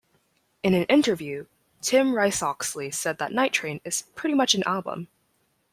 In an interview, Tim Rice-Oxley said that Night Train is "pretty much an album".